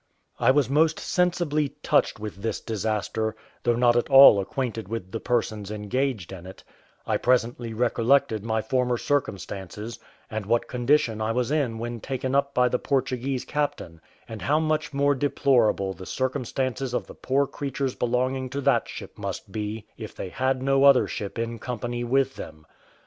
I was most sensibly touched with this disaster, though not at all acquainted with the persons engaged in it; I presently recollected my former circumstances, and what condition I was in when taken up by the Portuguese captain; and how much more deplorable the circumstances of the poor creatures belonging to that ship must be, if they had no other ship in company with them.